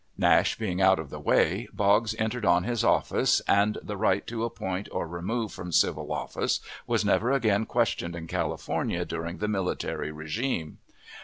Nash being out of the way, Boggs entered on his office, and the right to appoint or remove from civil office was never again questioned in California during the military regime.